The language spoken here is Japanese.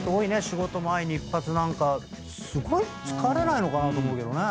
仕事前に一発何かすごい疲れないのかな？と思うけどね。